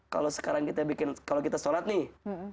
kalau sekarang kita bikin kalau kita sholat nih